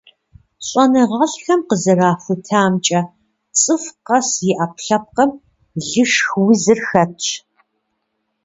ЩӀэныгъэлӀхэм къызэрахутамкӀэ, цӀыху къэс и Ӏэпкълъэпкъым лышх узыр хэтщ.